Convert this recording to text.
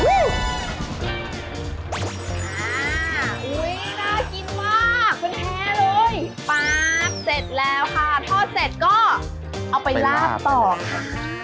ทอดเสร็จก็เอาไปลาดต่อค่ะ